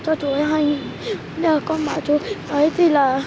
thôi chú ơi chú cứ hỏi lại chú này chú đuổi đi